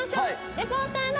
レポーターの。